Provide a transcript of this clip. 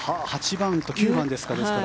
８番と９番ですか。